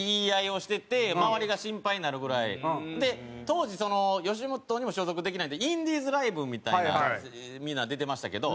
当時吉本にも所属できないんでインディーズライブみたいなみんな出てましたけど。